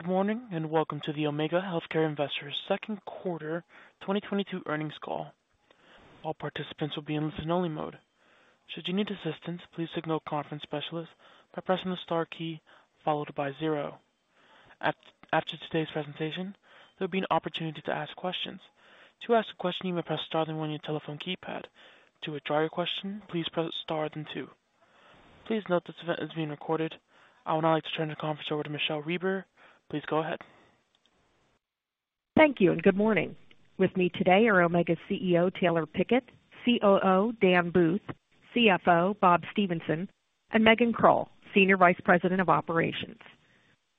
Good morning, and welcome to the Omega Healthcare Investors second quarter 2022 earnings call. All participants will be in listen only mode. Should you need assistance, please signal conference specialist by pressing the star key followed by zero. After today's presentation, there'll be an opportunity to ask questions. To ask a question, you may press star then one on your telephone keypad. To withdraw your question, please press star then two. Please note this event is being recorded. I would now like to turn the conference over to Michele Reber. Please go ahead. Thank you, and good morning. With me today are Omega CEO Taylor Pickett, COO Dan Booth, CFO Bob Stephenson, and Megan Krull, Senior Vice President of Operations.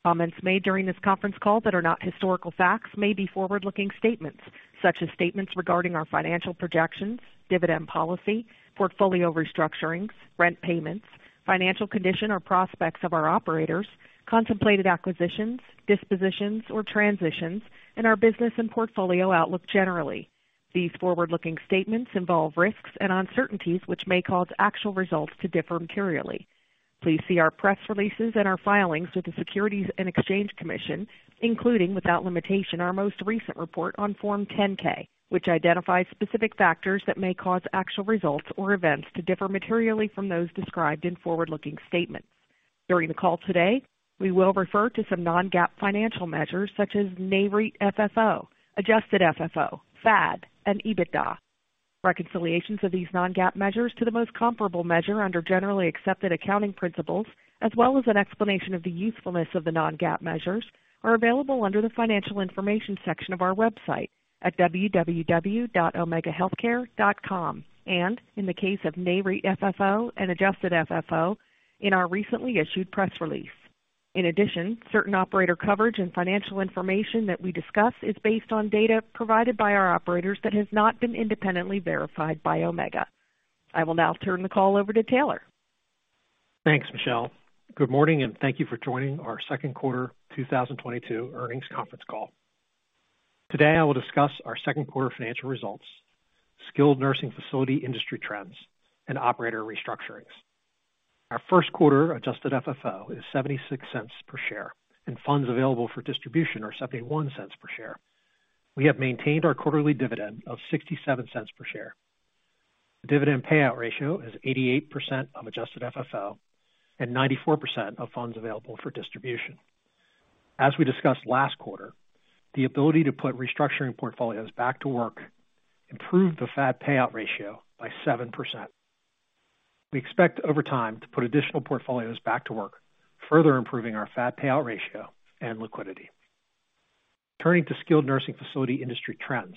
Comments made during this conference call that are not historical facts may be forward-looking statements such as statements regarding our financial projections, dividend policy, portfolio restructurings, rent payments, financial condition, or prospects of our operators, contemplated acquisitions, dispositions or transitions, and our business and portfolio outlook generally. These forward-looking statements involve risks and uncertainties which may cause actual results to differ materially. Please see our press releases and our filings with the Securities and Exchange Commission, including, without limitation, our most recent report on Form 10-K, which identifies specific factors that may cause actual results or events to differ materially from those described in forward-looking statements. During the call today, we will refer to some non-GAAP financial measures such as Nareit FFO, adjusted FFO, FAD and EBITDA. Reconciliations of these non-GAAP measures to the most comparable measure under generally accepted accounting principles, as well as an explanation of the usefulness of the non-GAAP measures, are available under the Financial Information section of our website at www.omegahealthcare.com. In the case of Nareit FFO and adjusted FFO in our recently issued press release. In addition, certain operator coverage and financial information that we discuss is based on data provided by our operators that has not been independently verified by Omega. I will now turn the call over to Taylor. Thanks, Michele. Good morning, and thank you for joining our second quarter 2022 earnings conference call. Today I will discuss our second quarter financial results, skilled nursing facility industry trends and operator restructurings. Our first quarter adjusted FFO is $0.76 per share, and funds available for distribution are $0.71 per share. We have maintained our quarterly dividend of $0.67 per share. The dividend payout ratio is 88% of adjusted FFO and 94% of funds available for distribution. As we discussed last quarter, the ability to put restructuring portfolios back to work improved the FAD payout ratio by 7%. We expect over time to put additional portfolios back to work, further improving our FAD payout ratio and liquidity. Turning to skilled nursing facility industry trends.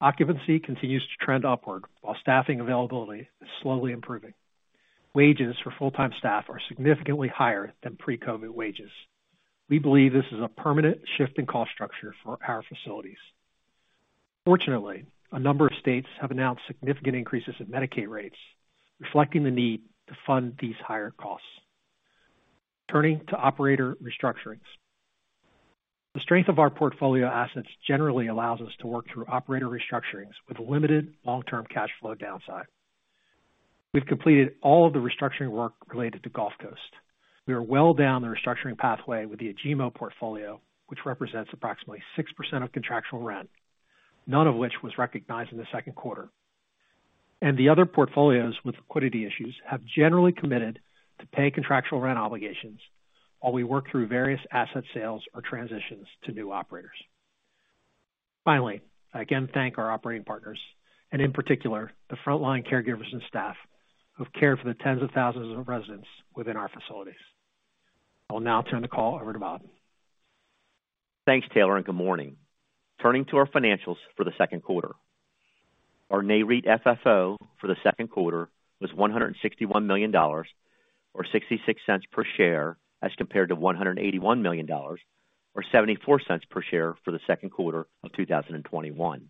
Occupancy continues to trend upward while staffing availability is slowly improving. Wages for full-time staff are significantly higher than pre-COVID wages. We believe this is a permanent shift in cost structure for our facilities. Fortunately, a number of states have announced significant increases in Medicaid rates, reflecting the need to fund these higher costs. Turning to operator restructurings. The strength of our portfolio assets generally allows us to work through operator restructurings with limited long-term cash flow downside. We've completed all of the restructuring work related to Gulf Coast. We are well down the restructuring pathway with the Agemo portfolio, which represents approximately 6% of contractual rent, none of which was recognized in the second quarter. The other portfolios with liquidity issues have generally committed to pay contractual rent obligations while we work through various asset sales or transitions to new operators. Finally, I again thank our operating partners and in particular, the frontline caregivers and staff who've cared for the tens of thousands of residents within our facilities. I will now turn the call over to Bob. Thanks, Taylor, and good morning. Turning to our financials for the second quarter. Our Nareit FFO for the second quarter was $161 million or 66 cents per share as compared to $181 million or 74 cents per share for the second quarter of 2021.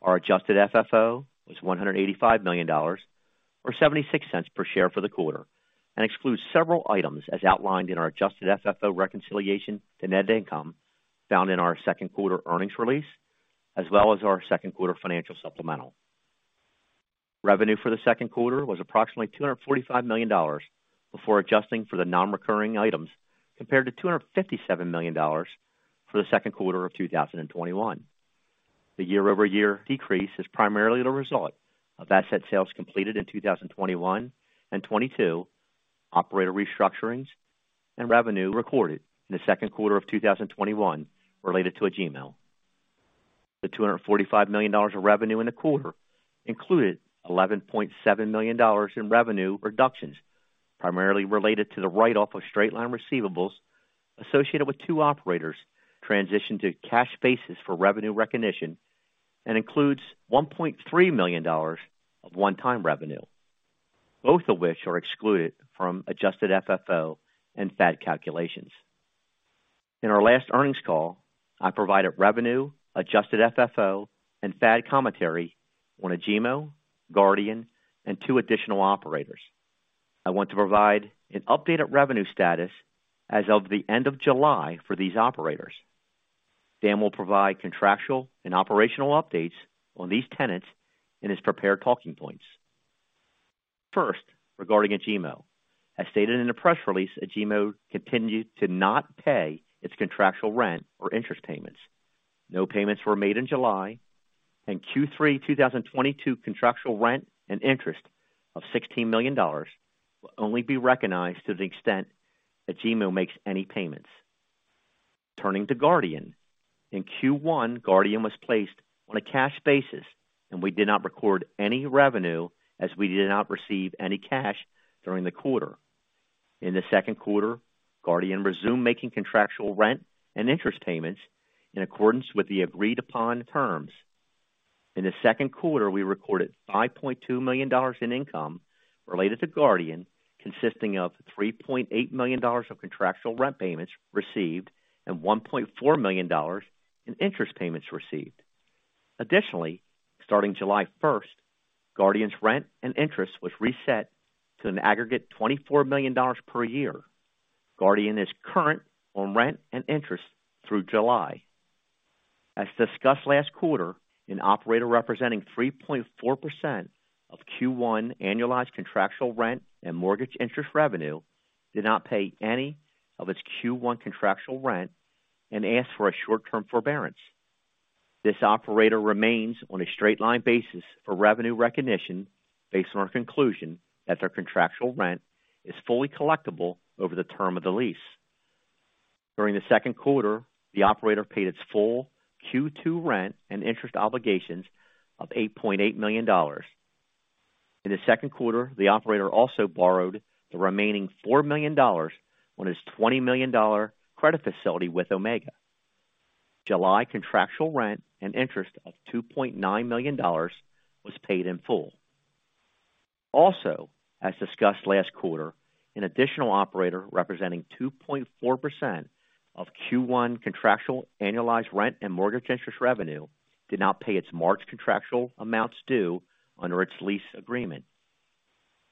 Our adjusted FFO was $185 million or 76 cents per share for the quarter and excludes several items as outlined in our adjusted FFO reconciliation to net income found in our second quarter earnings release, as well as our second quarter financial supplemental. Revenue for the second quarter was approximately $245 million before adjusting for the non-recurring items, compared to $257 million for the second quarter of 2021. The year-over-year decrease is primarily the result of asset sales completed in 2021 and 2022, operator restructurings and revenue recorded in the second quarter of 2021 related to Agemo. The $245 million of revenue in the quarter included $11.7 million in revenue reductions, primarily related to the write-off of straight line receivables associated with two operators transitioned to cash basis for revenue recognition and includes $1.3 million of one-time revenue, both of which are excluded from Adjusted FFO and FAD calculations. In our last earnings call, I provided revenue, Adjusted FFO and FAD commentary on Agemo, Guardian and two additional operators. I want to provide an updated revenue status as of the end of July for these operators. Dan will provide contractual and operational updates on these tenants in his prepared talking points. First, regarding Agemo. As stated in the press release, Agemo continued to not pay its contractual rent or interest payments. No payments were made in July and Q3 2022. Contractual rent and interest of $16 million will only be recognized to the extent that Agemo makes any payments. Turning to Guardian. In Q1, Guardian was placed on a cash basis, and we did not record any revenue as we did not receive any cash during the quarter. In the second quarter, Guardian resumed making contractual rent and interest payments in accordance with the agreed upon terms. In the second quarter, we recorded $5.2 million in income related to Guardian, consisting of $3.8 million of contractual rent payments received and $1.4 million in interest payments received. Additionally, starting July first, Guardian's rent and interest was reset to an aggregate $24 million per year. Guardian is current on rent and interest through July. As discussed last quarter, an operator representing 3.4% of Q1 annualized contractual rent and mortgage interest revenue did not pay any of its Q1 contractual rent and asked for a short-term forbearance. This operator remains on a straight line basis for revenue recognition based on our conclusion that their contractual rent is fully collectible over the term of the lease. During the second quarter, the operator paid its full Q2 rent and interest obligations of $8.8 million. In the second quarter, the operator also borrowed the remaining $4 million on his $20 million credit facility with Omega. July contractual rent and interest of $2.9 million was paid in full. Also, as discussed last quarter, an additional operator representing 2.4% of Q1 contractual annualized rent and mortgage interest revenue did not pay its March contractual amounts due under its lease agreement.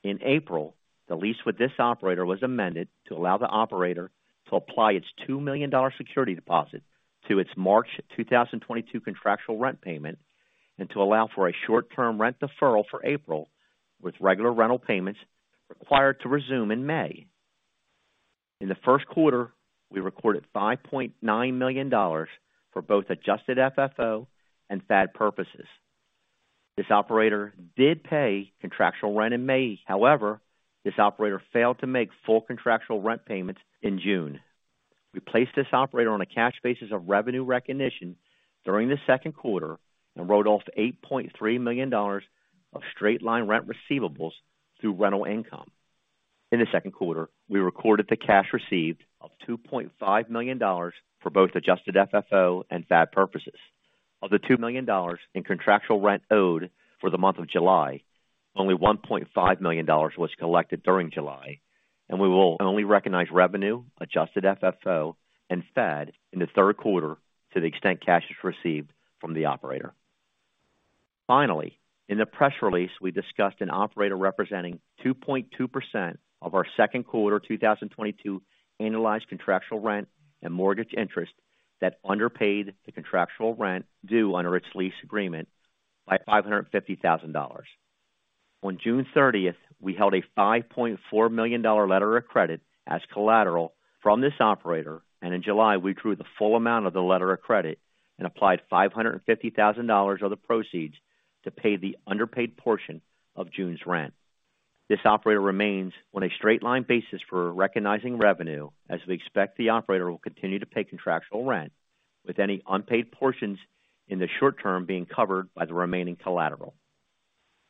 In April, the lease with this operator was amended to allow the operator to apply its $2 million security deposit to its March 2022 contractual rent payment and to allow for a short-term rent deferral for April, with regular rental payments required to resume in May. In the first quarter, we recorded $5.9 million for both Adjusted FFO and FAD purposes. This operator did pay contractual rent in May. However, this operator failed to make full contractual rent payments in June. We placed this operator on a cash basis of revenue recognition during the second quarter and wrote off $8.3 million of straight-line rent receivables through rental income. In the second quarter, we recorded the cash received of $2.5 million for both Adjusted FFO and FAD purposes. Of the $2 million in contractual rent owed for the month of July, only $1.5 million was collected during July, and we will only recognize revenue, Adjusted FFO and FAD in the third quarter to the extent cash is received from the operator. Finally, in the press release, we discussed an operator representing 2.2% of our second quarter 2022 annualized contractual rent and mortgage interest that underpaid the contractual rent due under its lease agreement by $550,000. On June 30th, we held a $5.4 million letter of credit as collateral from this operator, and in July, we drew the full amount of the letter of credit and applied $550,000 of the proceeds to pay the underpaid portion of June's rent. This operator remains on a straight line basis for recognizing revenue as we expect the operator will continue to pay contractual rent with any unpaid portions in the short term being covered by the remaining collateral.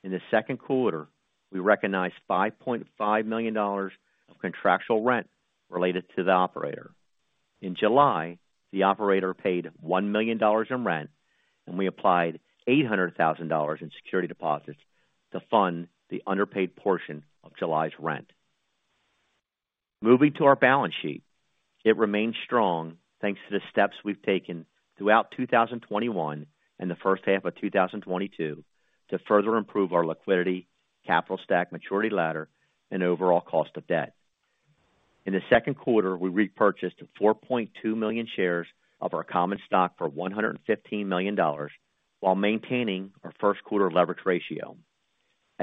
In the second quarter, we recognized $5.5 million of contractual rent related to the operator. In July, the operator paid $1 million in rent, and we applied $800,000 in security deposits to fund the underpaid portion of July's rent. Moving to our balance sheet, it remains strong thanks to the steps we've taken throughout 2021 and the first half of 2022 to further improve our liquidity, capital stack maturity ladder and overall cost of debt. In the second quarter, we repurchased 4.2 million shares of our common stock for $115 million while maintaining our first quarter leverage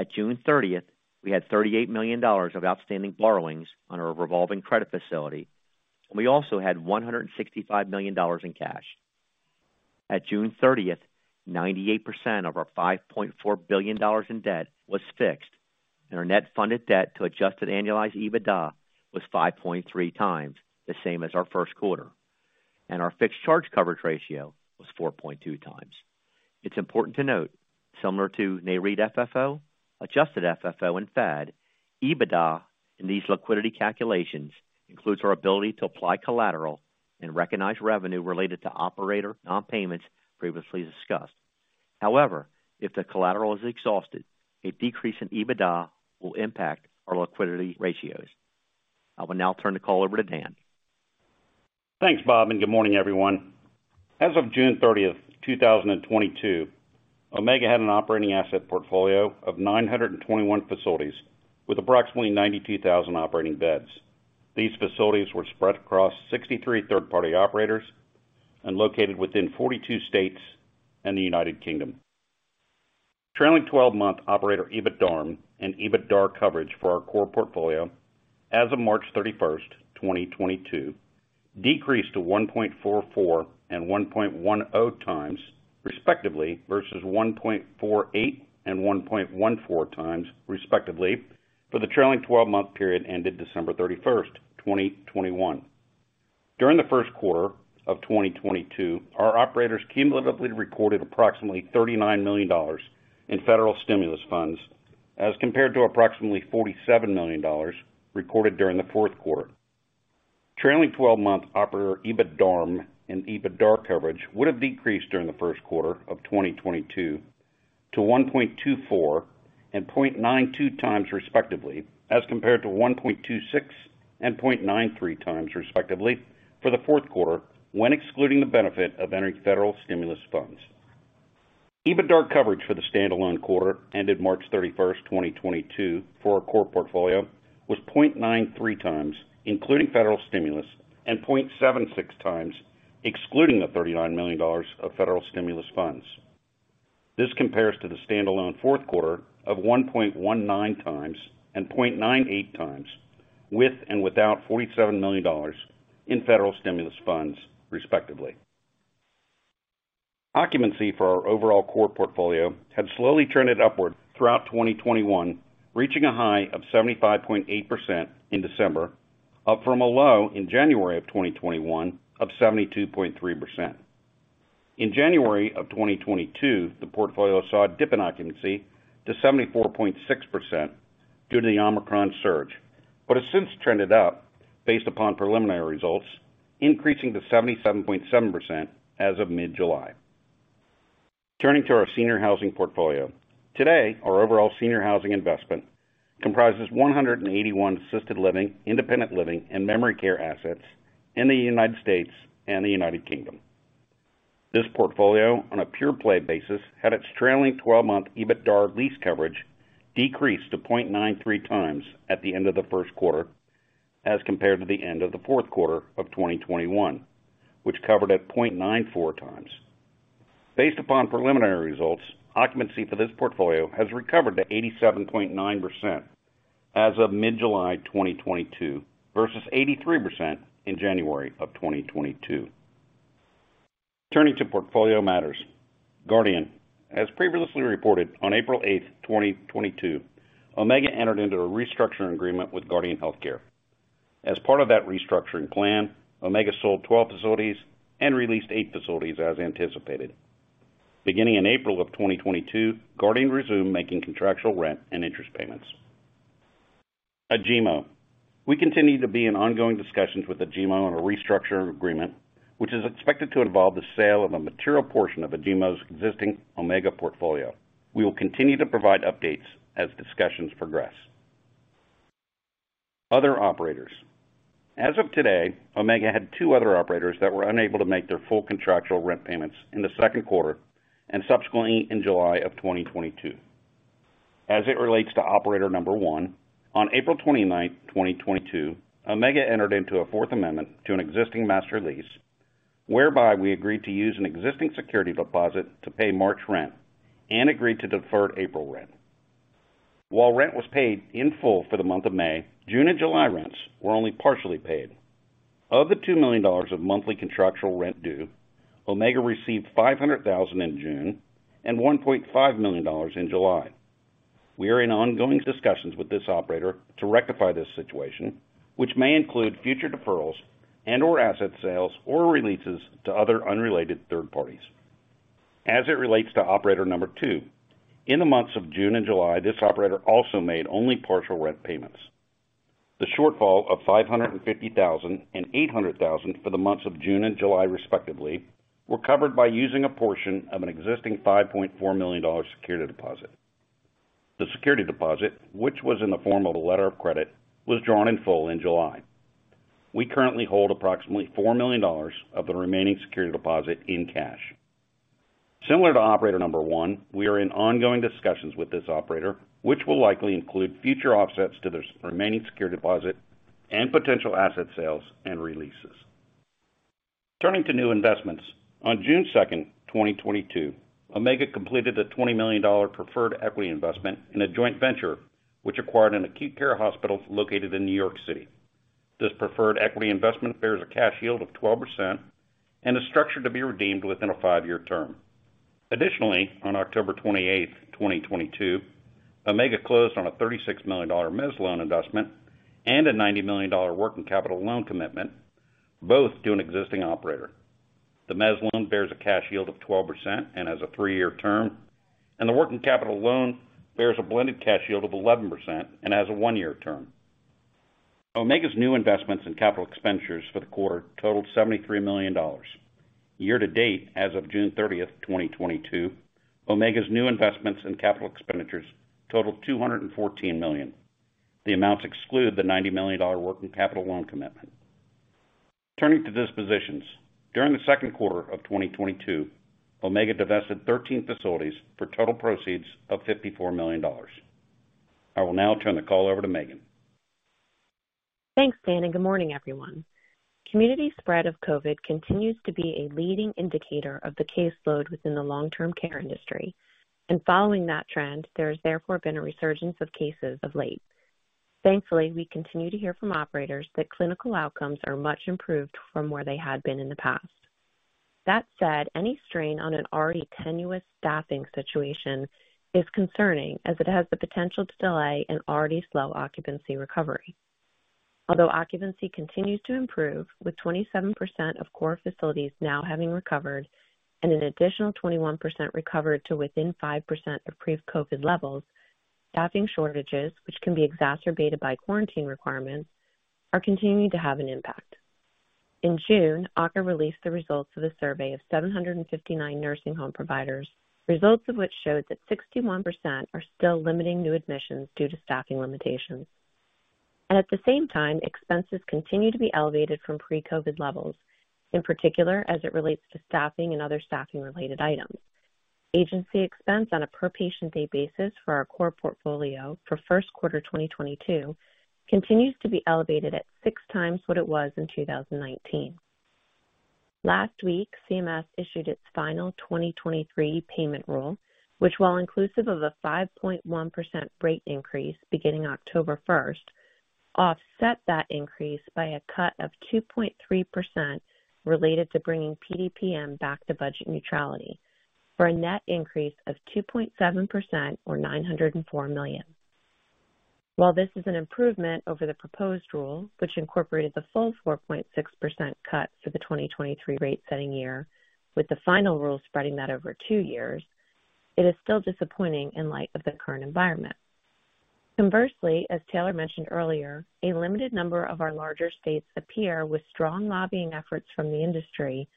ratio. At June 30th, we had $38 million of outstanding borrowings on our revolving credit facility, and we also had $165 million in cash. At June 30th, 98% of our $5.4 billion in debt was fixed, and our net funded debt to adjusted annualized EBITDA was 5.3x the same as our first quarter. Our fixed charge coverage ratio was 4.2x. It's important to note similar to Nareit FFO, adjusted FFO and FAD, EBITDA in these liquidity calculations includes our ability to apply collateral and recognize revenue related to operator non payments previously discussed. However, if the collateral is exhausted, a decrease in EBITDA will impact our liquidity ratios. I will now turn the call over to Dan. Thanks, Bob, and good morning, everyone. As of June 30th, 2022, Omega had an operating asset portfolio of 921 facilities with approximately 92,000 operating beds. These facilities were spread across 63 third-party operators and located within 42 states and the United Kingdom. Trailing 12-month operator EBITDARM and EBITDAR coverage for our core portfolio as of March 31st, 2022, decreased to 1.44x and 1.10x, respectively, versus 1.48x and 1.14x, respectively, for the trailing12-month period ended December 31st, 2021. During the first quarter of 2022, our operators cumulatively recorded approximately $39 million in federal stimulus funds as compared to approximately $47 million recorded during the fourth quarter. Trailing 12-month operator EBITDARM and EBITDAR coverage would have decreased during the first quarter of 2022 to 1.24x and 0.92x respectively as compared to 1.26x and 0.93x respectively for the fourth quarter when excluding the benefit of any federal stimulus funds. EBITDAR coverage for the stand-alone quarter ended March 31st, 2022 for our core portfolio was 0.93x including federal stimulus and 0.76x excluding the $39 million of federal stimulus funds. This compares to the stand-alone fourth quarter of 1.19x and 0.98x with and without $47 million in federal stimulus funds, respectively. Occupancy for our overall core portfolio had slowly trended upward throughout 2021, reaching a high of 75.8% in December, up from a low in January of 2021 of 72.3%. In January of 2022, the portfolio saw a dip in occupancy to 74.6% due to the Omicron surge, but has since trended up based upon preliminary results, increasing to 77.7% as of mid-July. Turning to our senior housing portfolio. Today, our overall senior housing investment comprises 181 assisted living, independent living, and memory care assets in the United States and the United Kingdom. This portfolio, on a pure play basis, had its trailing 12-month EBITDAR lease coverage decreased to 0.93x at the end of the first quarter as compared to the end of the fourth quarter of 2021, which covered at 0.94x. Based upon preliminary results, occupancy for this portfolio has recovered to 87.9% as of mid-July 2022 versus 83% in January 2022. Turning to portfolio matters. Guardian. As previously reported on April 8th, 2022, Omega entered into a restructuring agreement with Guardian Healthcare. As part of that restructuring plan, Omega sold 12 facilities and released eight facilities as anticipated. Beginning in April 2022, Guardian resumed making contractual rent and interest payments. Agemo. We continue to be in ongoing discussions with Agemo on a restructuring agreement, which is expected to involve the sale of a material portion of Agemo's existing Omega portfolio. We will continue to provide updates as discussions progress. Other operators. As of today, Omega had two other operators that were unable to make their full contractual rent payments in the second quarter and subsequently in July 2022. As it relates to operator number one, on April 29, 2022, Omega entered into a fourth amendment to an existing master lease, whereby we agreed to use an existing security deposit to pay March rent and agreed to defer April rent. While rent was paid in full for the month of May, June and July rents were only partially paid. Of the $2 million of monthly contractual rent due, Omega received $500,000 in June and $1.5 million in July. We are in ongoing discussions with this operator to rectify this situation, which may include future deferrals and/or asset sales or releases to other unrelated third parties. As it relates to operator number two, in the months of June and July, this operator also made only partial rent payments. The shortfall of $550,000 and $800,000 for the months of June and July, respectively, were covered by using a portion of an existing $5.4 million security deposit. The security deposit, which was in the form of a letter of credit, was drawn in full in July. We currently hold approximately $4 million of the remaining security deposit in cash. Similar to operator number one, we are in ongoing discussions with this operator, which will likely include future offsets to the remaining security deposit and potential asset sales and releases. Turning to new investments. On June 2nd, 2022, Omega completed a $20 million preferred equity investment in a joint venture which acquired an acute care hospital located in New York City. This preferred equity investment bears a cash yield of 12% and is structured to be redeemed within a five-year term. Additionally, on October 28, 2022, Omega closed on a $36 million mezz loan investment and a $90 million working capital loan commitment, both to an existing operator. The mezz loan bears a cash yield of 12% and has a three-year term, and the working capital loan bears a blended cash yield of 11% and has a one-year term. Omega's new investments in capital expenditures for the quarter totaled $73 million. Year to date, as of June 30th, 2022, Omega's new investments in capital expenditures totaled $214 million. The amounts exclude the $90 million working capital loan commitment. Turning to dispositions. During the second quarter of 2022, Omega divested 13 facilities for total proceeds of $54 million. I will now turn the call over to Megan. Thanks, Dan, and good morning, everyone. Community spread of COVID continues to be a leading indicator of the caseload within the long-term care industry, and following that trend, there has therefore been a resurgence of cases of late. Thankfully, we continue to hear from operators that clinical outcomes are much improved from where they had been in the past. That said, any strain on an already tenuous staffing situation is concerning, as it has the potential to delay an already slow occupancy recovery. Although occupancy continues to improve, with 27% of core facilities now having recovered and an additional 21% recovered to within 5% of pre-COVID levels, staffing shortages, which can be exacerbated by quarantine requirements, are continuing to have an impact. In June, AHCA released the results of a survey of 759 nursing home providers, results of which showed that 61% are still limiting new admissions due to staffing limitations. At the same time, expenses continue to be elevated from pre-COVID levels, in particular as it relates to staffing and other staffing-related items. Agency expense on a per patient day basis for our core portfolio for first quarter 2022 continues to be elevated at six times what it was in 2019. Last week, CMS issued its final 2023 payment rule, which, while inclusive of a 5.1% rate increase beginning October 1st, offset that increase by a cut of 2.3% related to bringing PDPM back to budget neutrality for a net increase of 2.7% or $904 million. While this is an improvement over the proposed rule, which incorporated the full 4.6% cut for the 2023 rate setting year, with the final rule spreading that over two years, it is still disappointing in light of the current environment. Conversely, as Taylor mentioned earlier, a limited number of our larger states appear, with strong lobbying efforts from the industry,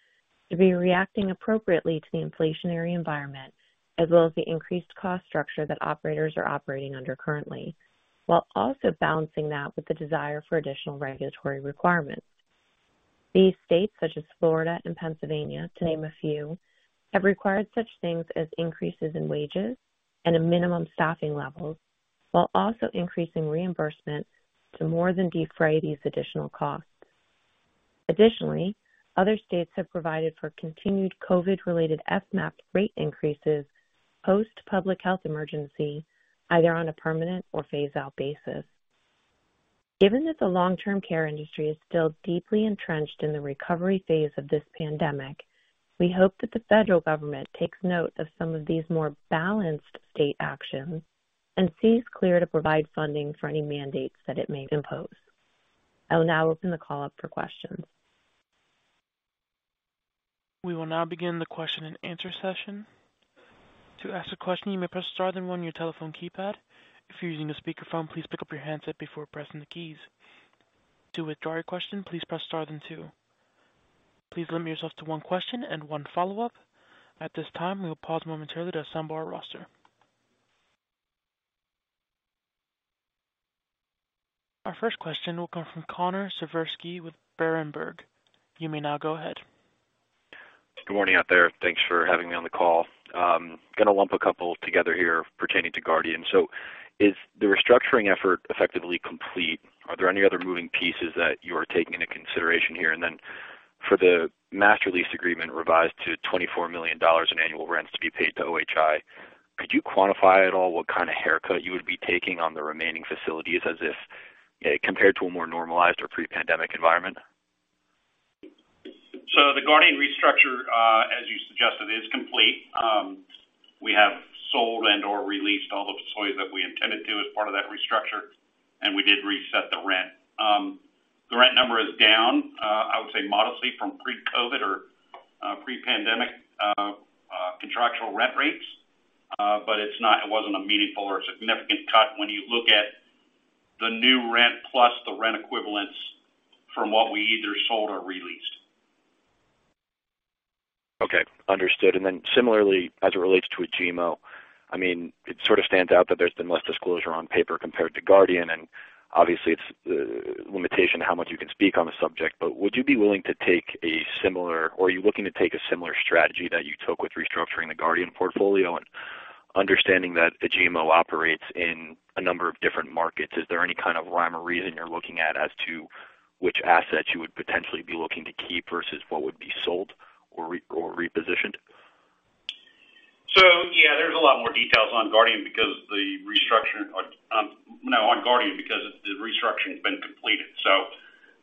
to be reacting appropriately to the inflationary environment as well as the increased cost structure that operators are operating under currently, while also balancing that with the desire for additional regulatory requirements. These states, such as Florida and Pennsylvania, to name a few, have required such things as increases in wages and in minimum staffing levels, while also increasing reimbursement to more than defray these additional costs. Additionally, other states have provided for continued COVID-related FMAP rate increases post-public health emergency, either on a permanent or phase out basis. Given that the long-term care industry is still deeply entrenched in the recovery phase of this pandemic, we hope that the federal government takes note of some of these more balanced state actions and sees clear to provide funding for any mandates that it may impose. I will now open the call up for questions. We will now begin the question and answer session. To ask a question, you may press star then one on your telephone keypad. If you're using a speakerphone, please pick up your handset before pressing the keys. To withdraw your question, please press star then two. Please limit yourself to one question and one follow-up. At this time, we will pause momentarily to assemble our roster. Our first question will come from Connor Siversky with Berenberg. You may now go ahead. Good morning out there. Thanks for having me on the call. Gonna lump a couple together here pertaining to Guardian. Is the restructuring effort effectively complete? Are there any other moving pieces that you are taking into consideration here? For the master lease agreement revised to $24 million in annual rents to be paid to OHI, could you quantify at all what kinda haircut you would be taking on the remaining facilities as if, you know, compared to a more normalized or pre-pandemic environment? The Guardian restructure, as you suggested, is complete. We have sold and/or released all the facilities that we intended to as part of that restructure, and we did reset the rent. The rent number is down, I would say modestly from pre-COVID or pre-pandemic contractual rent rates. But it wasn't a meaningful or significant cut when you look at the new rent plus the rent equivalence from what we either sold or released. Okay, understood. Similarly, as it relates to Agemo, I mean, it sort of stands out that there's been less disclosure on paper compared to Guardian, and obviously it's a limitation how much you can speak on the subject, but are you looking to take a similar strategy that you took with restructuring the Guardian portfolio and understanding that Agemo operates in a number of different markets? Is there any kind of rhyme or reason you're looking at as to which assets you would potentially be looking to keep versus what would be sold or repositioned? Yeah, there's a lot more details on Guardian because the restructuring has been completed.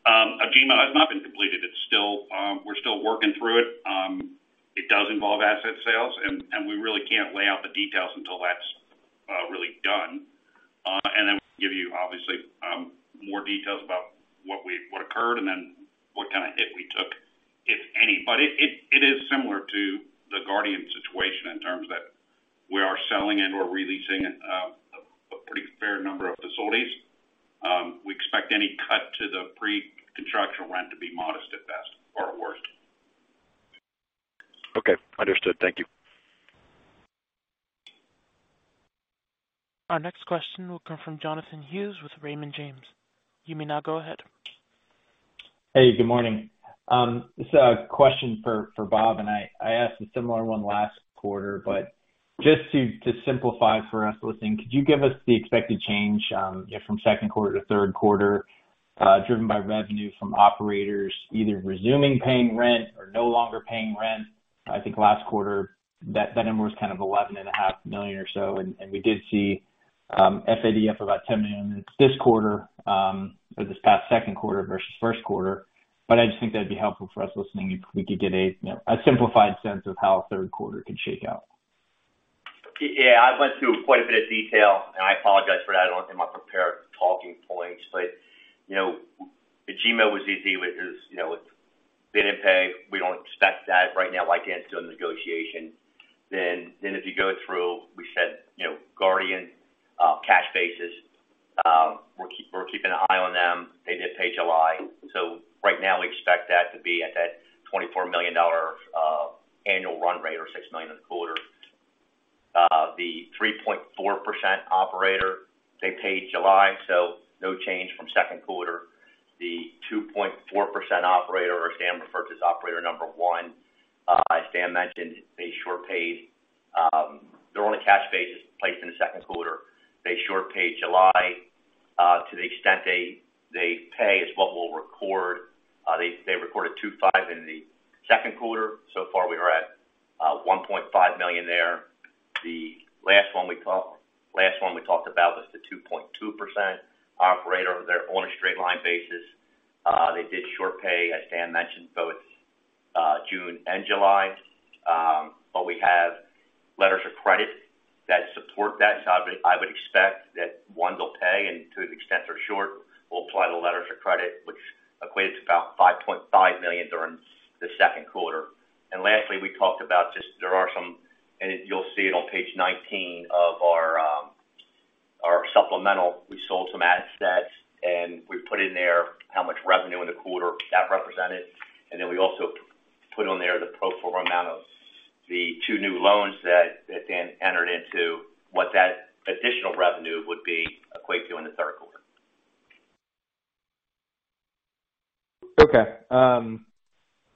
Agemo has not been completed. It's still, we're still working through it. It does involve asset sales and we really can't lay out the details until that's really done. And then we can give you obviously more details about what occurred and then what kind of hit we took, if any. But it is similar to the Guardian situation in terms that we are selling and/or releasing a pretty fair number of facilities. We expect any cut to the pre-construction rent to be modest at best or at worst. Okay, understood. Thank you. Our next question will come from Jonathan Hughes with Raymond James. You may now go ahead. Hey, good morning. This is a question for Bob, and I asked a similar one last quarter, but just to simplify for us listening, could you give us the expected change, you know, from second quarter to third quarter, driven by revenue from operators either resuming paying rent or no longer paying rent? I think last quarter that number was kind of $11.5 million or so, and we did see FAD up about $10 million this quarter, or this past second quarter versus first quarter. I just think that'd be helpful for us listening if we could get a, you know, a simplified sense of how third quarter could shake out. Yeah. I went through quite a bit of detail, and I apologize for that. I don't think my prepared talking points, but, you know, Agemo was easy, which is, you know, if they didn't pay, we don't expect that right now. Like Dan's doing the negotiation. If you go through, we said, you know, Guardian cash basis, we're keeping an eye on them. They did pay July. So right now, we expect that to be at that $24 million annual run rate or $6 million in the quarter. The 3.4% operator, they paid July, so no change from second quarter. The 2.4% operator, as Dan referred to as operator number one, as Dan mentioned, they short paid. They're on a cash basis placed in the second quarter. They short paid July. To the extent they pay is what we'll record. They recorded $2.5 million in the second quarter. So far we are at $1.5 million there. The last one we talked about was the 2.2% operator. They're on a straight line basis. They did short pay, as Dan mentioned, both June and July. But we have letters of credit that support that. I would expect that one will pay, and to the extent they're short, we'll apply the letters of credit which equates to about $5.5 million during the second quarter. Lastly, we talked about just there are some. You'll see it on page 19 of our supplemental. We sold some assets, and we put in there how much revenue in the quarter that represented. We also put on there the pro forma amount of the two new loans that Dan entered into, what that additional revenue would be equate to in the third quarter. All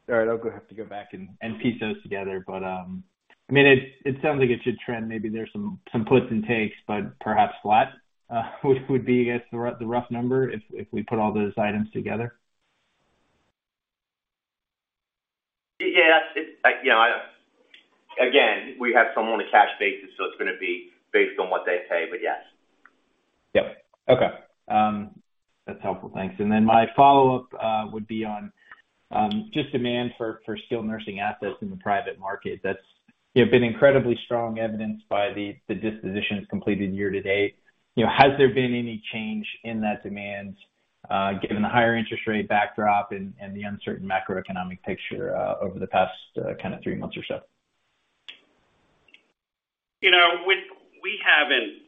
right, I'll have to go back and piece those together. I mean, it sounds like it should trend. Maybe there's some puts and takes, but perhaps flat would be I guess the rough number if we put all those items together. Yeah, it's like, you know, again, we have some on a cash basis, so it's gonna be based on what they pay, but yes. Yep. Okay. That's helpful. Thanks. Then my follow-up would be on just demand for skilled nursing assets in the private market. That's, you know, been incredibly strong, evidenced by the dispositions completed year to date. You know, has there been any change in that demand given the higher interest rate backdrop and the uncertain macroeconomic picture over the past kind of three months or so? You know, we haven't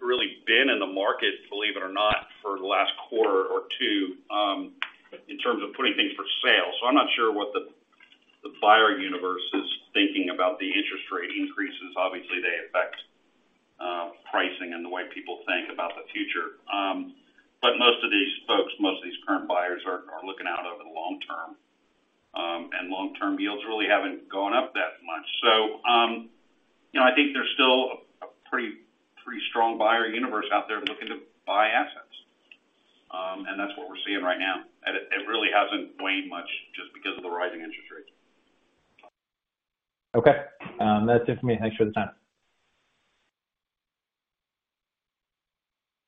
really been in the market, believe it or not, for the last quarter or two, in terms of putting things for sale, so I'm not sure what the buyer universe is thinking about the interest rate increases. Obviously, they affect pricing and the way people think about the future. Most of these folks, most of these current buyers are looking out over the long term. Long-term yields really haven't gone up that much. You know, I think there's still a pretty strong buyer universe out there looking to buy assets. That's what we're seeing right now. It really hasn't weighed much just because of the rising interest rates. Okay. That's it for me. Thanks for the time.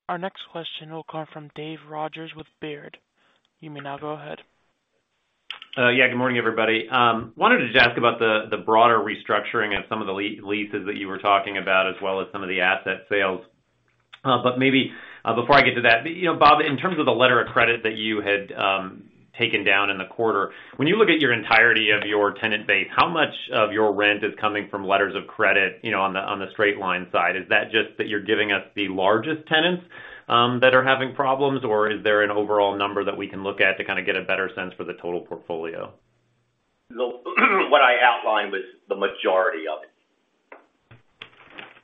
Our next question will come from David Rodgers with Baird. You may now go ahead. Yeah, good morning, everybody. Wanted to just ask about the broader restructuring and some of the leases that you were talking about, as well as some of the asset sales. Maybe before I get to that, you know, Bob, in terms of the letter of credit that you had taken down in the quarter, when you look at the entirety of your tenant base, how much of your rent is coming from letters of credit, you know, on the straight line side? Is that just that you're giving us the largest tenants that are having problems, or is there an overall number that we can look at to kind of get a better sense for the total portfolio? What I outlined was the majority of it.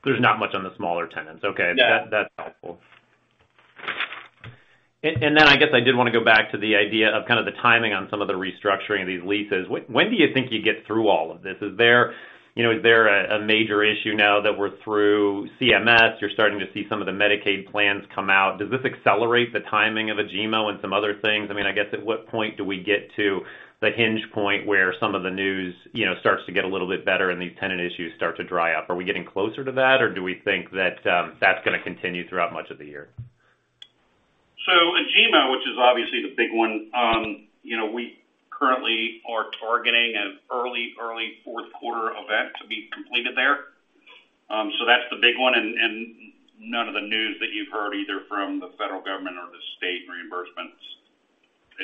There's not much on the smaller tenants. Okay. No. That's helpful. Then I guess I did wanna go back to the idea of kind of the timing on some of the restructuring of these leases. When do you think you get through all of this? You know, is there a major issue now that we're through CMS, you're starting to see some of the Medicaid plans come out? Does this accelerate the timing of Agemo and some other things? I mean, I guess at what point do we get to the inflection point where some of the news, you know, starts to get a little bit better and these tenant issues start to dry up? Are we getting closer to that, or do we think that that's gonna continue throughout much of the year? Agemo, which is obviously the big one, you know, we currently are targeting an early fourth quarter event to be completed there. So that's the big one and none of the news that you've heard, either from the federal government or the state reimbursements,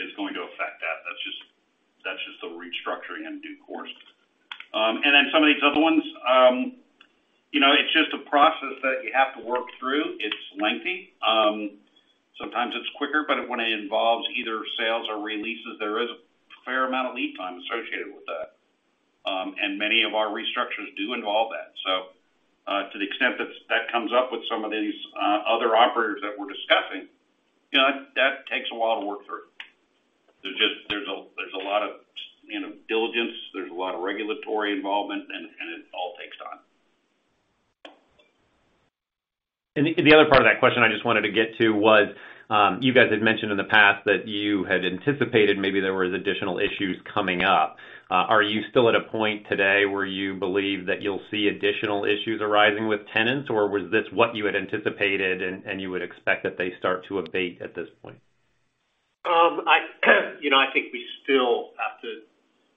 is going to affect that. That's just the restructuring in due course. And then some of these other ones, you know, it's just a process that you have to work through. It's lengthy. Sometimes it's quicker, but when it involves either sales or releases, there is a fair amount of lead time associated with that. Many of our restructures do involve that. To the extent that that comes up with some of these other operators that we're discussing, you know, that takes a while to work through. There's a lot of diligence, there's a lot of regulatory involvement, and it all takes time. The other part of that question I just wanted to get to was, you guys had mentioned in the past that you had anticipated maybe there was additional issues coming up. Are you still at a point today where you believe that you'll see additional issues arising with tenants, or was this what you had anticipated and you would expect that they start to abate at this point? You know, I think we still have to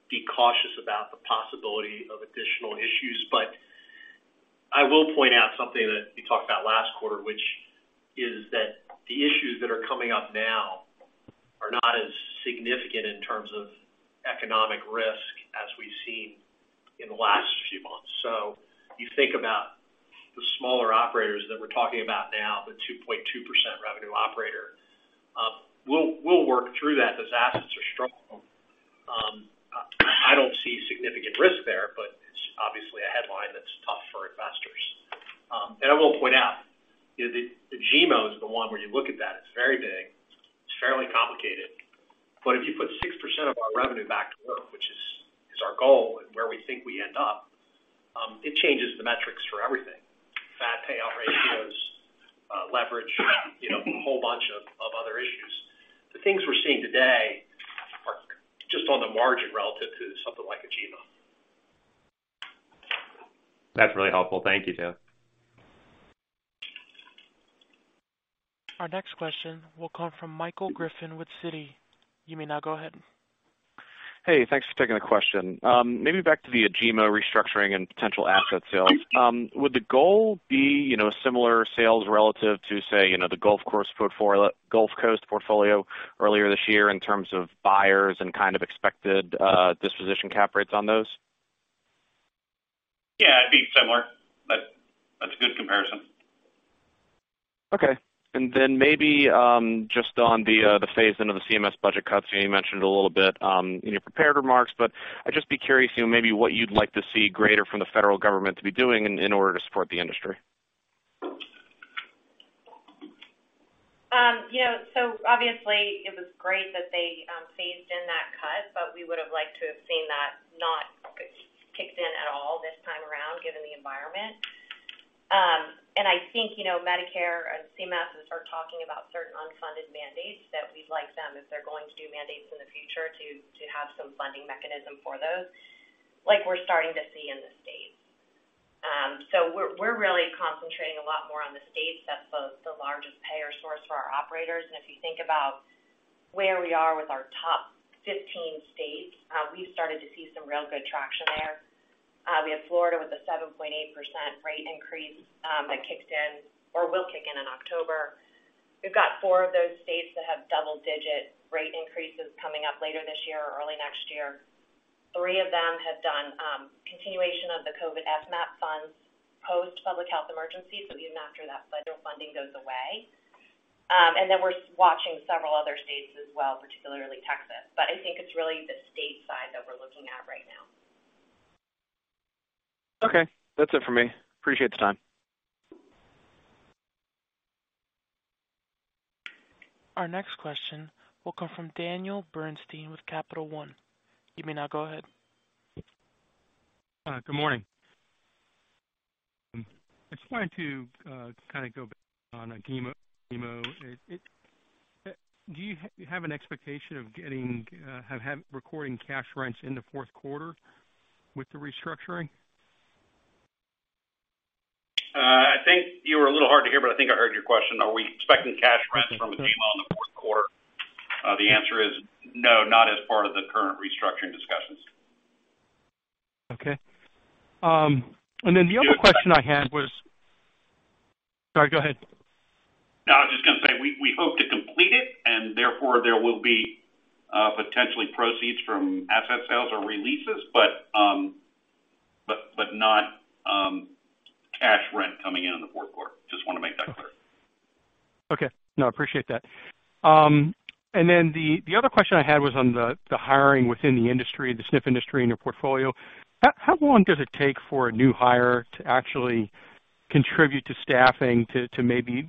be cautious about the possibility of additional issues. I will point out something that we talked about last quarter, which is that the issues that are coming up now are not as significant in terms of economic risk as we've seen in the last few months. You think about the smaller operators that we're talking about now, the 2.2% revenue operator. We'll work through that. Those assets are strong. I don't see significant risk there, but it's obviously a headline that's tough for investors. I will point out, you know, the Agemo, the one where you look at that, it's very big, it's fairly complicated. If you put 6% of our revenue back to work, which is our goal and where we think we end up, it changes the metrics for everything. FAD payout ratios, leverage, you know, a whole bunch of other issues. The things we're seeing today are just on the margin relative to something like Agemo. That's really helpful. Thank you, Taylor. Our next question will come from Michael Griffin with Citi. You may now go ahead. Hey, thanks for taking the question. Maybe back to the Agemo restructuring and potential asset sales. Would the goal be, you know, similar sales relative to, say, you know, the Gulf Coast portfolio earlier this year in terms of buyers and kind of expected disposition cap rates on those? Yeah, I'd be similar. That, that's a good comparison. Okay. Maybe just on the phase into the CMS budget cuts, you mentioned it a little bit in your prepared remarks, but I'd just be curious, you know, maybe what you'd like to see greater from the federal government to be doing in order to support the industry. You know, obviously it was great that they phased in that cut, but we would have liked to have seen that not kicked in at all this time around, given the environment. I think, you know, Medicare and CMS are talking about certain unfunded mandates that we'd like them, if they're going to do mandates in the future, to have some funding mechanism for those, like we're starting to see in the states. We're really concentrating a lot more on the states. That's both the largest payer source for our operators. If you think about where we are with our top 15 states, we've started to see some real good traction there. We have Florida with a 7.8% rate increase that kicks in or will kick in in October. We've got four of those states that have double digit rate increases coming up later this year or early next year. Three of them have done continuation of the COVID FMAP funds post-public health emergency. Even after that federal funding goes away. We're watching several other states as well, particularly Texas. I think it's really the state side that we're looking at right now. Okay, that's it for me. Appreciate the time. Our next question will come from Daniel Bernstein with Capital One. You may now go ahead. Good morning. I just wanted to kind of go back on Agemo. Do you have an expectation of getting recurring cash rents in the fourth quarter with the restructuring? I think you were a little hard to hear, but I think I heard your question. Are we expecting cash rents from Agemo in the fourth quarter? The answer is no, not as part of the current restructuring discussions. Okay. Then the other question I had was. Sorry, go ahead. No, I was just gonna say we hope to complete it, and therefore there will be potentially proceeds from asset sales or releases, but not cash rent coming in in the fourth quarter. Just wanna make that clear. Okay. No, I appreciate that. The other question I had was on the hiring within the industry, the SNF industry and your portfolio. How long does it take for a new hire to actually contribute to staffing to maybe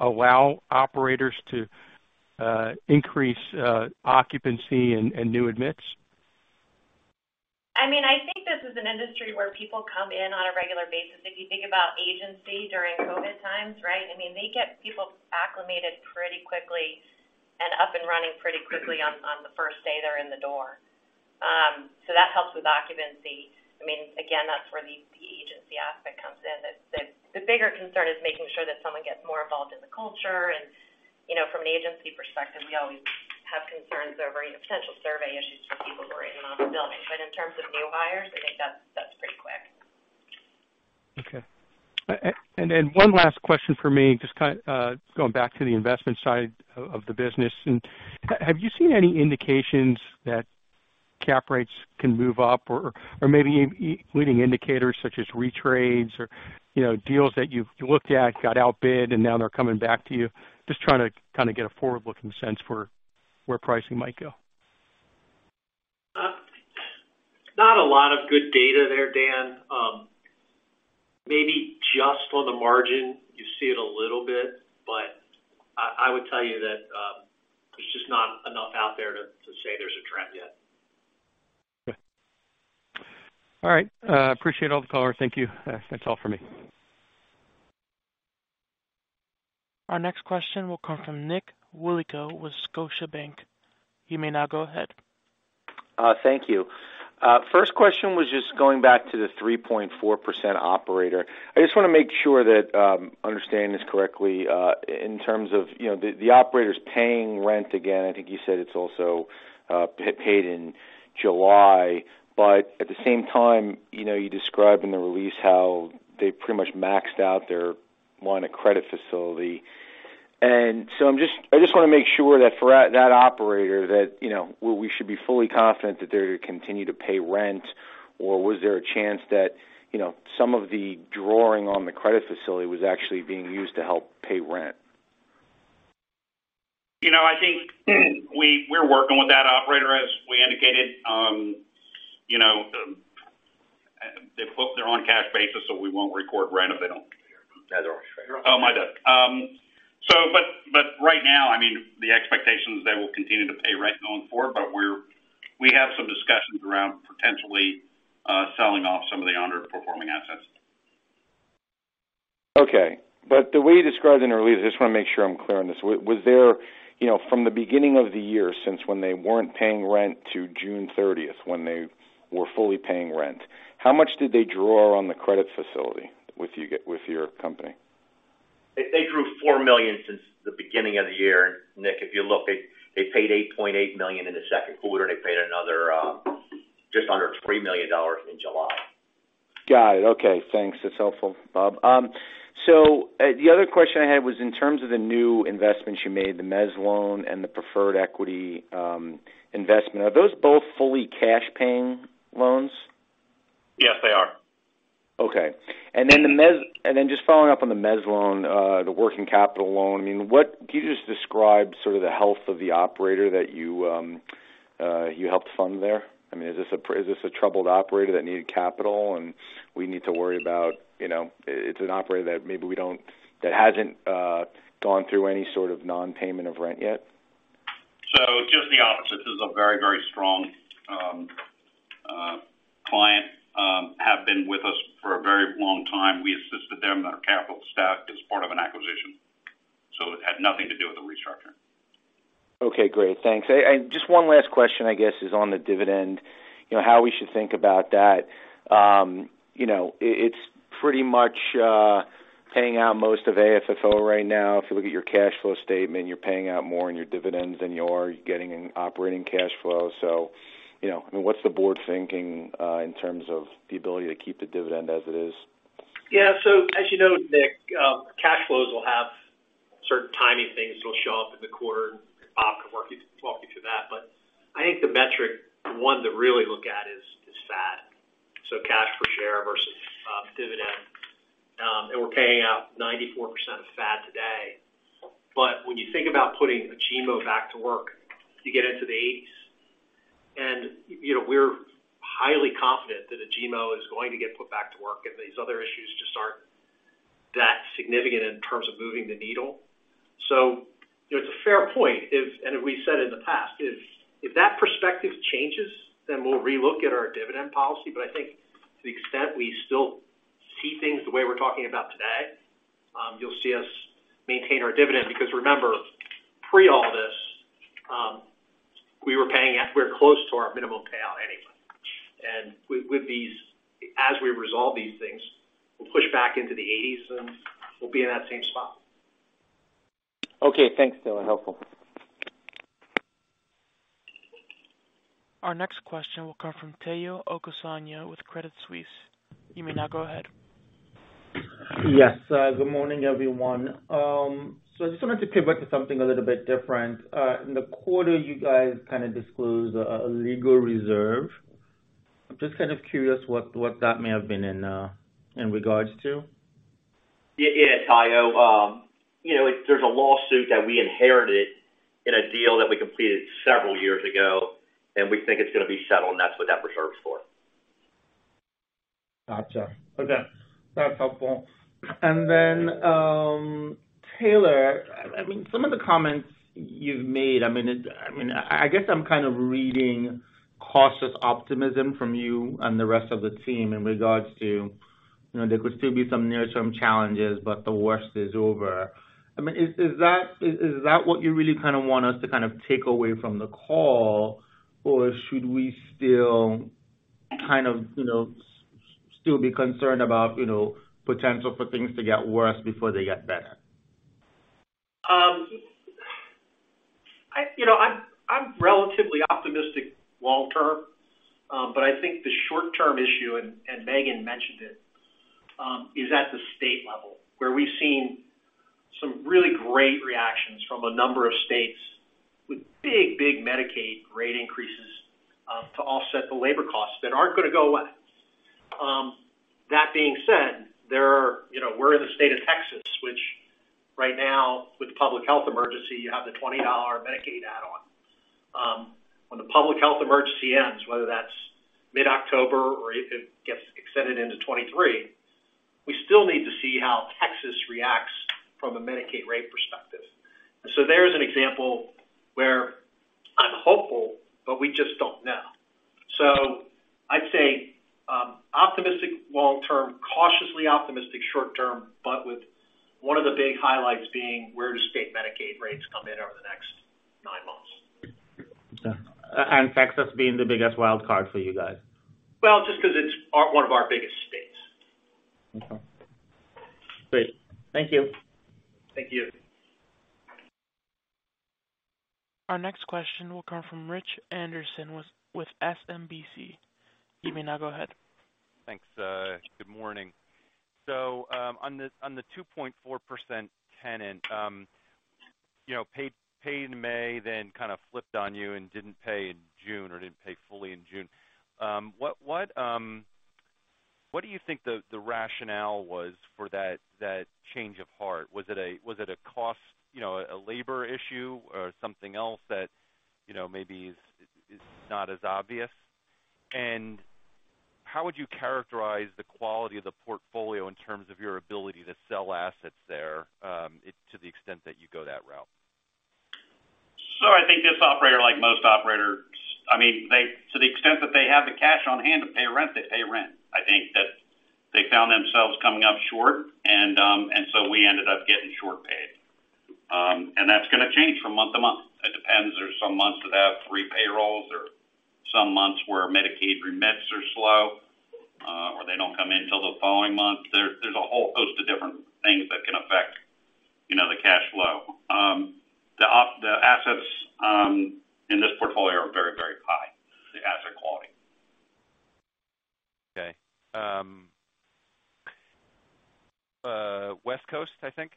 allow operators to increase occupancy and new admits? I mean, I think this is an industry where people come in on a regular basis. If you think about agency during COVID times, right? I mean, they get people acclimated pretty quickly and up and running pretty quickly on the first day they're in the door. That helps with occupancy. I mean, again, that's where the agency aspect comes in. The bigger concern is making sure that someone gets more involved in the culture. You know, from an agency perspective, we always have concerns over potential survey issues for people who are in and out of the building. In terms of new hires, I think that's pretty quick. Okay. One last question for me. Just going back to the investment side of the business. Have you seen any indications that cap rates can move up or maybe leading indicators such as retrades or, you know, deals that you've looked at, got outbid, and now they're coming back to you? Just trying to kind of get a forward-looking sense for where pricing might go. Not a lot of good data there, Dan. Maybe just on the margin, you see it a little bit, but I would tell you that, there's just not enough out there to say there's a trend yet. Okay. All right. Appreciate all the color. Thank you. That's all for me. Our next question will come from Nick Yulico with Scotiabank. You may now go ahead. Thank you. First question was just going back to the 3.4% operator. I just wanna make sure that I understand this correctly in terms of, you know, the operator's paying rent again. I think you said it's also paid in July. But at the same time, you know, you described in the release how they pretty much maxed out their line of credit facility. I just wanna make sure that for that operator that, you know, we should be fully confident that they're gonna continue to pay rent, or was there a chance that, you know, some of the drawing on the credit facility was actually being used to help pay rent? You know, I think we're working with that operator as we indicated. You know, they put their own cash basis, so we won't record rent if they don't. Yeah, they're Oh, my bad. Right now, I mean, the expectation is they will continue to pay rent going forward, but we have some discussions around potentially selling off some of the underperforming assets. Okay. The way you described in the release, I just wanna make sure I'm clear on this. Was there, you know, from the beginning of the year since when they weren't paying rent to June 30th when they were fully paying rent, how much did they draw on the credit facility with your company? They drew $4 million since the beginning of the year. Nick, if you look, they paid $8.8 million in the second quarter, and they paid another just under $3 million in July. Got it. Okay. Thanks. That's helpful, Bob. The other question I had was in terms of the new investments you made, the mezz loan and the preferred equity investment. Are those both fully cash paying loans? Yes, they are. Okay. Just following up on the mezz loan, the working capital loan, I mean, can you just describe sort of the health of the operator that you helped fund there? I mean, is this a troubled operator that needed capital, and we need to worry about, you know, it's an operator that hasn't gone through any sort of non-payment of rent yet? Just the opposite. This is a very, very strong client. Have been with us for a very long time. We assisted them in our capital stack as part of an acquisition. It had nothing to do with the restructure. Okay, great. Thanks. Just one last question, I guess, is on the dividend. You know, how we should think about that. You know, it's pretty much paying out most of AFFO right now. If you look at your cash flow statement, you're paying out more in your dividends than you are getting in operating cash flow. You know, I mean, what's the board thinking in terms of the ability to keep the dividend as it is? Yeah. As you know, Nick, cash flows will have certain timing things that'll show up in the quarter. Bob can walk you, he's walked you through that. I think the metric, the one to really look at is FAD. Cash per share versus dividend. We're paying out 94% of FAD today. When you think about putting Agemo back to work, you get into the 80s. You know, we're highly confident that Agemo is going to get put back to work, and these other issues just aren't that significant in terms of moving the needle. There's a fair point, and we said in the past, if that perspective changes, then we'll relook at our dividend policy. I think to the extent we still see things the way we're talking about today, you'll see us maintain our dividend because remember, pre all this, we were paying. We're close to our minimum payout anyway. With these, as we resolve these things, we'll push back into the eighties, and we'll be in that same spot. Okay, thanks. Still helpful. Our next question will come from Omotayo Okusanya with Credit Suisse. You may now go ahead. Yes, good morning, everyone. I just wanted to pivot to something a little bit different. In the quarter, you guys kinda disclosed a legal reserve. I'm just kind of curious what that may have been in regards to. Yeah, Tayo. You know, there's a lawsuit that we inherited in a deal that we completed several years ago, and we think it's gonna be settled, and that's what that reserve's for. Gotcha. Okay, that's helpful. Taylor, I mean, some of the comments you've made, I mean, I guess I'm kind of reading cautious optimism from you and the rest of the team in regards to, you know, there could still be some near-term challenges, but the worst is over. I mean, is that what you really kinda want us to kind of take away from the call? Or should we still kind of, you know, still be concerned about, you know, potential for things to get worse before they get better? You know, I'm relatively optimistic long term. But I think the short-term issue, Megan mentioned it, is at the state level, where we've seen some really great reactions from a number of states with big Medicaid rate increases to offset the labor costs that aren't gonna go away. That being said, you know, we're in the state of Texas, which right now with the public health emergency, you have the $20 Medicaid add-on. When the public health emergency ends, whether that's mid-October or if it gets extended into 2023, we still need to see how Texas reacts from a Medicaid rate perspective. There's an example where I'm hopeful, but we just don't know. I'd say optimistic long term, cautiously optimistic short term, but with one of the big highlights being where do state Medicaid rates come in over the next nine months. Okay. Texas being the biggest wild card for you guys? Well, just 'cause it's one of our biggest states. Okay. Great. Thank you. Thank you. Our next question will come from Rich Anderson with SMBC. You may now go ahead. Thanks. Good morning. On the 2.4% tenant, you know, paid in May then kind of flipped on you and didn't pay in June or didn't pay fully in June. What do you think the rationale was for that change of heart? Was it a cost, you know, a labor issue or something else that, you know, maybe is not as obvious? How would you characterize the quality of the portfolio in terms of your ability to sell assets there, to the extent that you go that route? I think this operator, like most operators, I mean, they to the extent that they have the cash on hand to pay rent, they pay rent. I think that they found themselves coming up short and so we ended up getting short paid. That's gonna change from month to month. It depends. There's some months that have three payrolls or some months where Medicaid remits are slow, or they don't come in till the following month. There's a whole host of different things that can affect, you know, the cash flow. The assets in this portfolio are very, very high, the asset quality. Okay. West Coast, I think?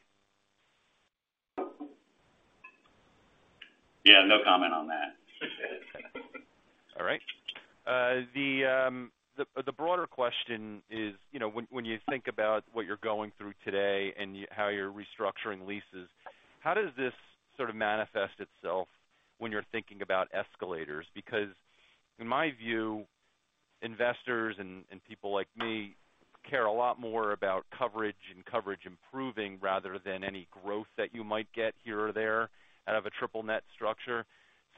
Yeah, no comment on that. All right. The broader question is, you know, when you think about what you're going through today and how you're restructuring leases, how does this sort of manifest itself when you're thinking about escalators? Because in my view, investors and people like me care a lot more about coverage and coverage improving rather than any growth that you might get here or there out of a triple net structure.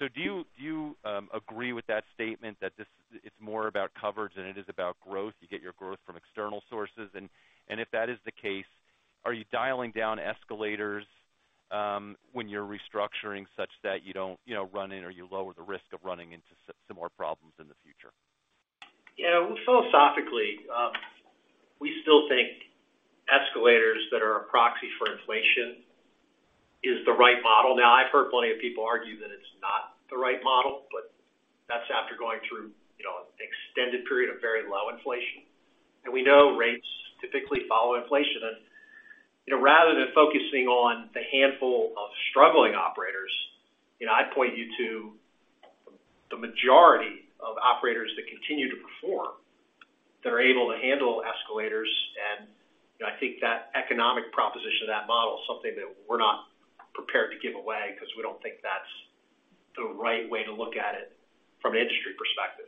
Do you agree with that statement that this is more about coverage than it is about growth? You get your growth from external sources. If that is the case, are you dialing down escalators when you're restructuring such that you don't, you know, run into or you lower the risk of running into similar problems in the future? Yeah. Philosophically, we still think escalators that are a proxy for inflation is the right model. Now, I've heard plenty of people argue that it's not the right model, but that's after going through, you know, an extended period of very low inflation. We know rates typically follow inflation. You know, rather than focusing on the handful of struggling operators, you know, I'd point you to the majority of operators that continue to perform, that are able to handle escalators. You know, I think that economic proposition of that model is something that we're not prepared to give away because we don't think that's the right way to look at it from an industry perspective.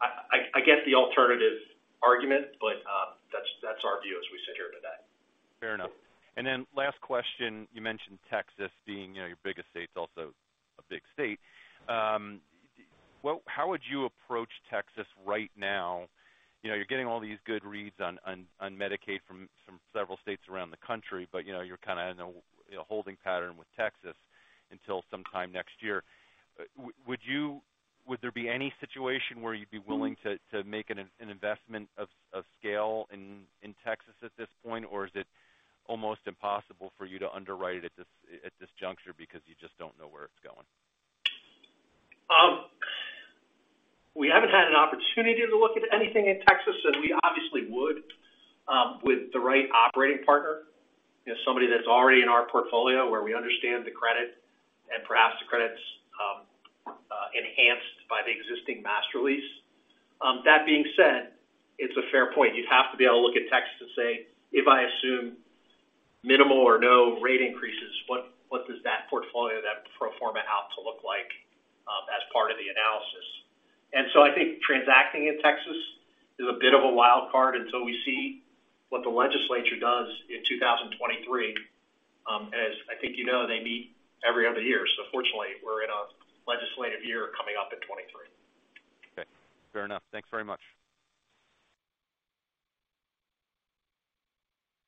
I get the alternative argument, but that's our view as we sit here today. Fair enough. Last question. You mentioned Texas being, you know, your biggest state, it's also a big state. How would you approach Texas right now? You know, you're getting all these good reads on Medicaid from several states around the country, but, you know, you're kind of in a holding pattern with Texas until sometime next year. Would there be any situation where you'd be willing to make an investment of scale in Texas at this point, or is it almost impossible for you to underwrite it at this juncture because you just don't know where it's going? We haven't had an opportunity to look at anything in Texas, and we obviously would with the right operating partner. You know, somebody that's already in our portfolio where we understand the credit and perhaps the credit's enhanced by the existing master lease. That being said, it's a fair point. You'd have to be able to look at Texas and say, if I assume minimal or no rate increases, what does that portfolio, that pro forma out to look like as part of the analysis? I think transacting in Texas is a bit of a wild card until we see what the legislature does in 2023. As I think you know, they meet every other year, so fortunately, we're in a legislative year coming up in 2023. Okay. Fair enough. Thanks very much.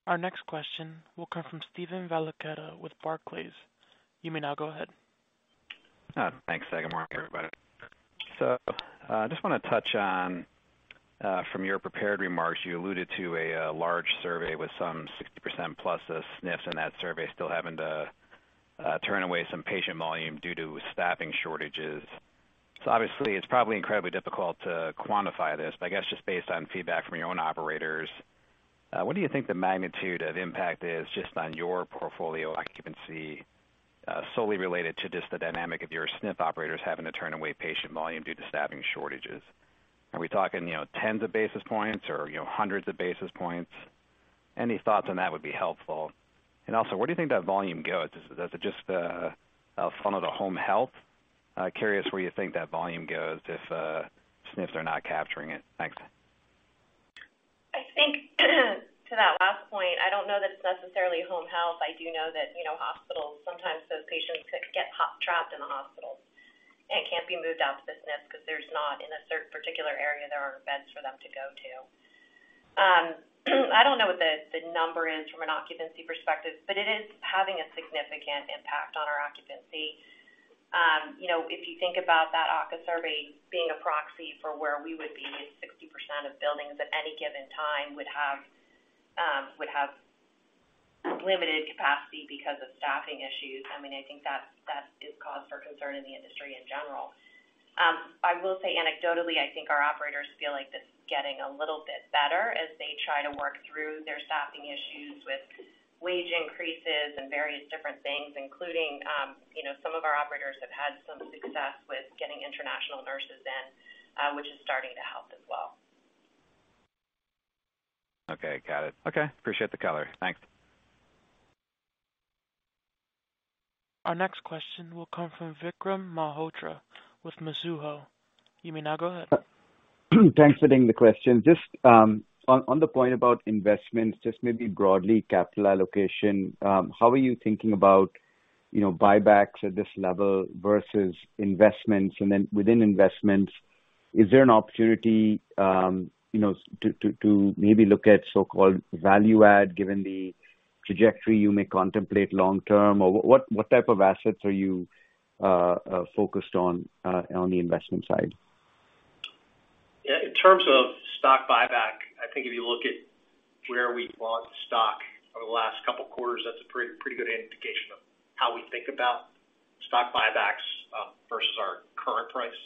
Our next question will come from Steven Valiquette with Barclays. You may now go ahead. Thanks. Good morning, everybody. I just wanna touch on, from your prepared remarks, you alluded to a, large survey with some 60% plus of SNFs in that survey still having to turn away some patient volume due to staffing shortages. Obviously, it's probably incredibly difficult to quantify this, but I guess just based on feedback from your own operators, what do you think the magnitude of impact is just on your portfolio occupancy, solely related to just the dynamic of your SNF operators having to turn away patient volume due to staffing shortages? Are we talking, you know, tens of basis points or, you know, hundreds of basis points? Any thoughts on that would be helpful. Also, where do you think that volume goes? Is it just, funneled to home health? Curious where you think that volume goes if SNFs are not capturing it? Thanks. I think to that last point, I don't know that it's necessarily home health. I do know that, you know, hospitals, sometimes those patients could get trapped in the hospitals and can't be moved out to SNFs because there's not, in a particular area, there aren't beds for them to go to. I don't know what the number is from an occupancy perspective, but it is having a significant impact on our occupancy. You know, if you think about that AHCA survey being a proxy for where we would be, 60% of buildings at any given time would have limited capacity because of staffing issues. I mean, I think that is cause for concern in the industry in general. I will say anecdotally, I think our operators feel like this is getting a little bit better as they try to work through their staffing issues with wage increases and various different things, including, you know, some of our operators have had some success with getting international nurses in, which is starting to help as well. Okay, got it. Okay, appreciate the color. Thanks. Our next question will come from Vikram Malhotra with Mizuho. You may now go ahead. Thanks for taking the question. Just on the point about investments, just maybe broadly capital allocation, how are you thinking about, you know, buybacks at this level versus investments? Then within investments, is there an opportunity, you know, to maybe look at so-called value add, given the trajectory you may contemplate long term? What type of assets are you focused on the investment side? Yeah. In terms of stock buyback, I think if you look at where we bought the stock over the last couple quarters, that's a pretty good indication of how we think about stock buybacks versus our current price.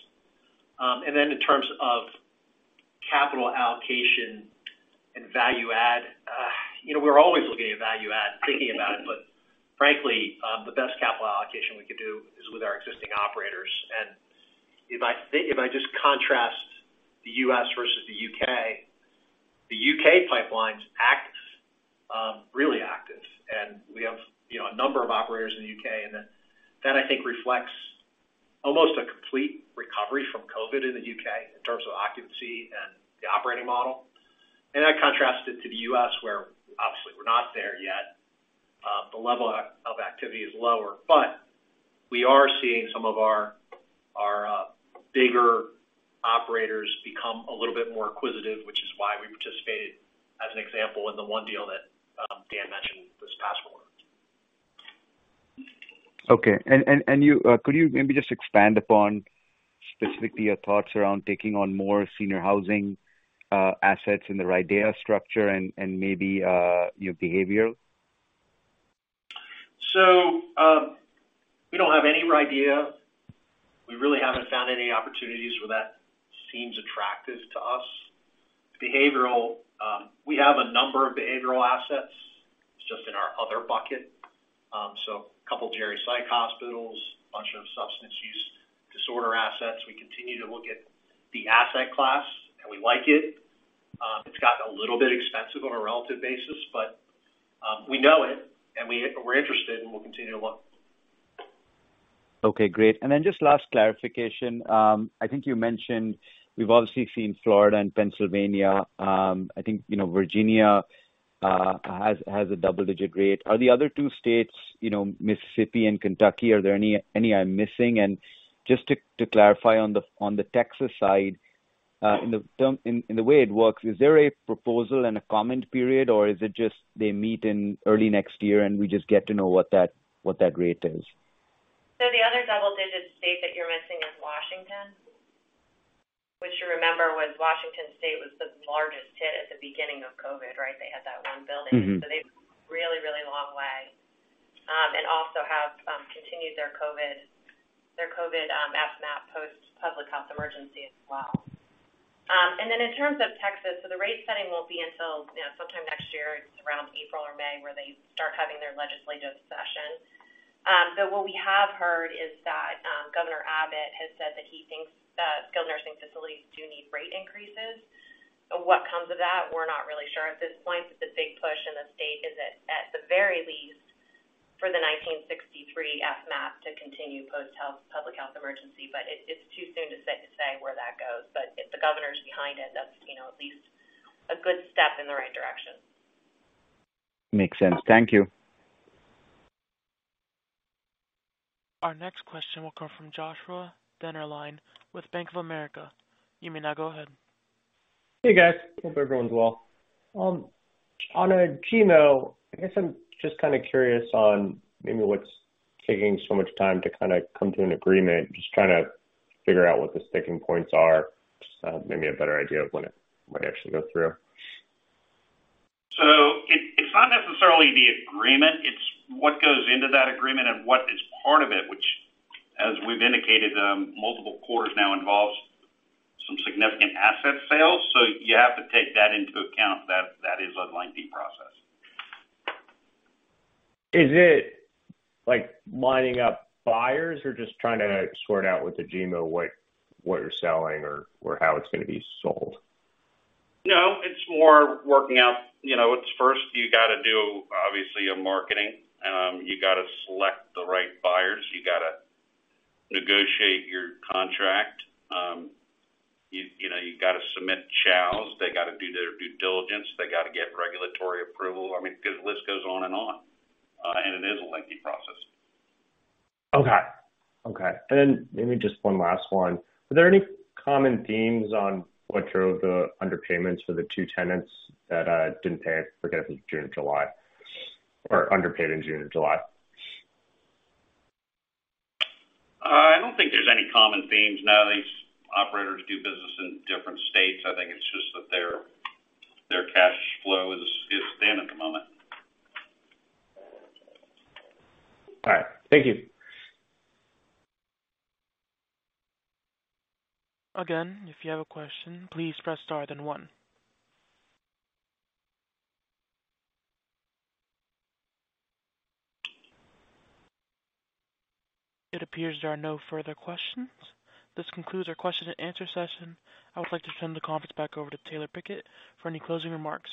Then in terms of capital allocation and value add, you know, we're always looking at value add, thinking about it, but frankly, the best capital allocation we could do is with our existing operators. If I just contrast the U.S. versus the U.K., the U.K. pipeline's active, really active, and we have, you know, a number of operators in the U.K., and that I think reflects almost a complete recovery from COVID in the U.K. in terms of occupancy and the operating model. That contrasted to the U.S., where obviously we're not there yet. The level of activity is lower, but we are seeing some of our bigger operators become a little bit more inquisitive, which is why we participated, as an example, in the one deal that Dan mentioned this past quarter. Okay. Could you maybe just expand upon specifically your thoughts around taking on more senior housing assets in the RIDEA structure and maybe your behavior? We don't have any RIDEA. We really haven't found any opportunities where that seems attractive to us. Behavioral, we have a number of behavioral assets. It's just in our other bucket. A couple geropsych hospitals, a bunch of substance use disorder assets. We continue to look at the asset class, and we like it. It's gotten a little bit expensive on a relative basis, but we know it and we're interested and we'll continue to look. Okay, great. Then just last clarification. I think you mentioned we've obviously seen Florida and Pennsylvania. I think, you know, Virginia has a double-digit rate. Are the other two states, you know, Mississippi and Kentucky, are there any I'm missing? Just to clarify on the Texas side, in the way it works, is there a proposal and a comment period, or is it just they meet in early next year and we just get to know what that rate is? The other double-digit state that you're missing is Washington, which you remember was Washington State, the largest hit at the beginning of COVID, right? They had that one building. Mm-hmm. They've really long way and also have continued their COVID FMAP post-public health emergency as well. In terms of Texas, the rate setting won't be until you know sometime next year. It's around April or May where they start having their legislative session. What we have heard is that Governor Abbott has said that he thinks that skilled nursing facilities do need rate increases. What comes of that, we're not really sure. At this point, the big push in the state is at the very least for the 1963 FMAP to continue post-public health emergency. It's too soon to say where that goes. If the governor is behind it, that's you know at least a good step in the right direction. Makes sense. Thank you. Our next question will come from Joshua Dennerlein with Bank of America. You may now go ahead. Hey, guys. Hope everyone's well. On Agemo, I guess I'm just kind of curious on maybe what's taking so much time to kind of come to an agreement, just trying to figure out what the sticking points are, just to have maybe a better idea of when it might actually go through. What goes into that agreement and what is part of it, which as we've indicated, multiple quarters now involves some significant asset sales. You have to take that into account. That is a lengthy process. Is it like lining up buyers or just trying to sort out with Agemo what you're selling or how it's gonna be sold? No, it's more working out. You know, it's first you gotta do obviously a marketing, you gotta select the right buyers, you gotta negotiate your contract. You know, you gotta submit CHOWs. They gotta do their due diligence. They gotta get regulatory approval. I mean, the list goes on and on. It is a lengthy process. Okay. Maybe just one last one. Are there any common themes on what drove the underpayments for the two tenants that didn't pay, I forget if it was June or July, or underpaid in June or July? I don't think there's any common themes. Now, these operators do business in different states. I think it's just that their cash flow is thin at the moment. All right. Thank you. Again, if you have a question, please press star then one. It appears there are no further questions. This concludes our question and answer session. I would like to turn the conference back over to Taylor Pickett for any closing remarks.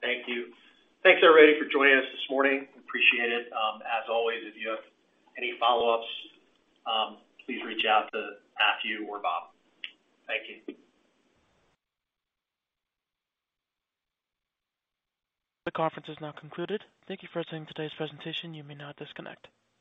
Thank you. Thanks, everybody, for joining us this morning. Appreciate it. As always, if you have any follow-ups, please reach out to us two or Bob. Thank you. The conference is now concluded. Thank you for attending today's presentation. You may now disconnect.